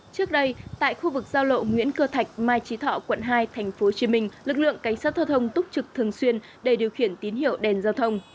trước đây tại khu vực giao lộ nguyễn cơ thạch mai trí thọ quận hai tp hcm lực lượng cảnh sát giao thông túc trực thường xuyên để điều khiển tín hiệu đèn giao thông